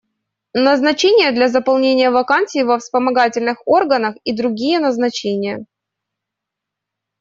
Назначение для заполнения вакансий во вспомогательных органах и другие назначения.